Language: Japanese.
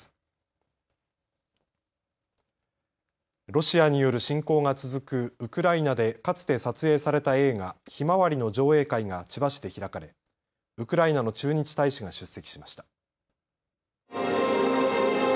ロシアによる侵攻が続くウクライナで、かつて撮影された映画、ひまわりの上映会が千葉市で開かれウクライナの駐日大使が出席しました。